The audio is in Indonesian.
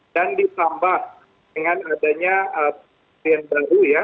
dan ditambah dengan adanya penyelenggaraan baru ya